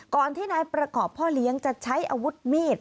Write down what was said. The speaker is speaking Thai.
ที่นายประกอบพ่อเลี้ยงจะใช้อาวุธมีด